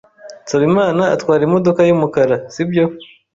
Nsabimana atwara imodoka yumukara, sibyo